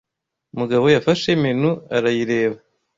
Mugabo yafashe menu arayireba.